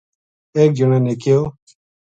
ایک جنا نے کہیو